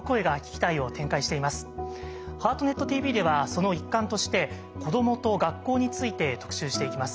「ハートネットＴＶ」ではその一環として子どもと学校について特集していきます。